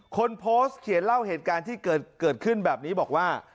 คนโพสต์เขียนเล่าเหตุการณ์ที่เกิดขึ้นแบบนี้บอกว่า